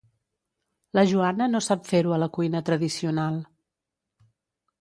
La Joana no sap fer-ho a la cuina tradicional.